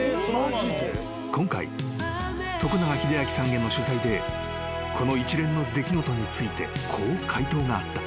［今回永明さんへの取材でこの一連の出来事についてこう回答があった］